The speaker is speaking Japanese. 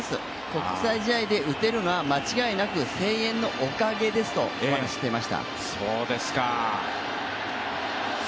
国際試合で打てるのは間違いなく声援のおかげですとお話ししていました。